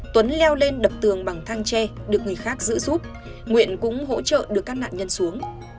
tuấn leo lên đập tường bằng thang tre được người khác giữ giúp nguyện cũng hỗ trợ được các nạn nhân xuống